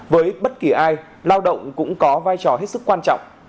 với bất kỳ ai lao động cũng có vai trò hết sức quan trọng